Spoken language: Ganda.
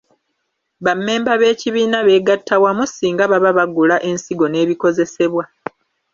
Bammemba b’ekibiina beegatta wamu singa baba bagula ensigo n’ebikozesebwa.